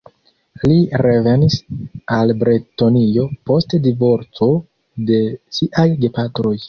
Li revenis al Bretonio post divorco de siaj gepatroj.